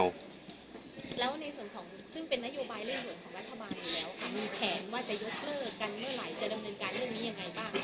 แล้วในส่วนของซึ่งเป็นนโยไบเรื่องเหมือนของรัฐบาลอยู่แล้วค่ะ